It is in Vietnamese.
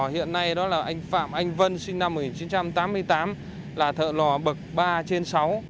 hiện nay đó là anh phạm anh vân sinh năm một nghìn chín trăm tám mươi tám là thợ lò bậc ba trên sáu